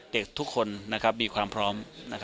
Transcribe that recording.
เด็กทุกคนมีความพร้อม